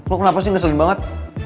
lo kenapa sih ngeselin banget